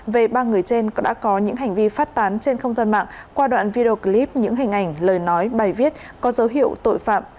về ba người trên đã có những hành vi phát tán trên không gian mạng qua đoạn video clip những hình ảnh lời nói bài viết có dấu hiệu tội phạm